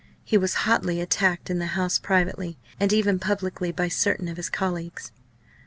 He was hotly attacked in the House privately, and even publicly by certain of his colleagues.